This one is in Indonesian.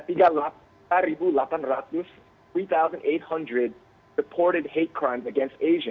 perang jahat yang diberikan terhadap orang asia